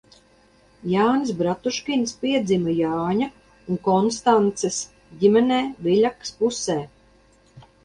Jānis Bratuškins piedzima Jāņa un Konstances ģimenē Viļakas pusē.